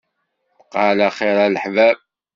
Bqaw ɛla xir a leḥbab.